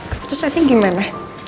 keputusan ini gimana